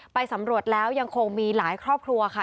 ไปสำรวจแล้วยังคงมีหลายครอบครัวค่ะ